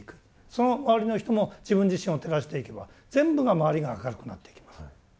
その周りの人も自分自身を照らしていけば全部が周りが明るくなってきます。